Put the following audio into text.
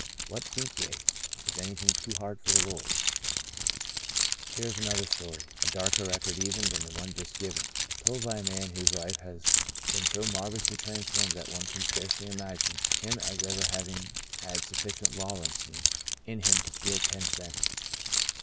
What think ye ?Is anything too hard for the Lord ?" Here is another story — a darker record 102 Sons of Ishmael even than the one just given — told by a man whose life has been so marvellously trans formed that one can scarcely imagine him as ever having had sufficient lawlessness in him to steal ten cents.